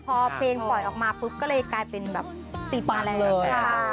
พอเพลงปล่อยออกมาปุ๊บก็เลยกลายเป็นแบบติดอะไร